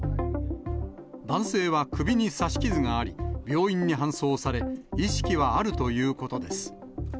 男性は首に刺し傷があり、病院に搬送され、意識はあるということです。